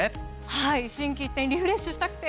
はい心機一転リフレッシュしたくて。